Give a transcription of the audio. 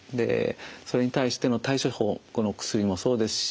それに対しての対処法薬もそうですし